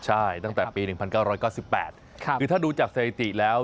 ใช่ตั้งแต่ปี๑๙๙๘คือถ้าดูจากสถิติแล้ว